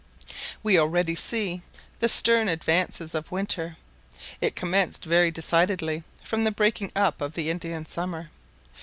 We already see the stern advances of winter. It commenced very decidedly from the breaking up of the Indian summer.